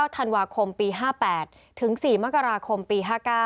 ธันวาคมปี๕๘ถึง๔มกราคมปี๕๙